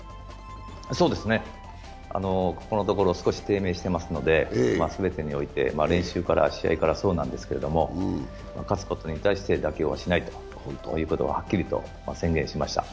そうですね、ここのところ少し低迷していますので、全てにおいて試合から練習においてもそうですけれども、勝つことに対して妥協はしないとはっきり宣言しました。